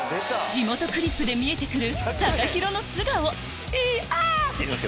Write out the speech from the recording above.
地元クリップで見えてくるＴＡＫＡＨＩＲＯの素顔イッアって。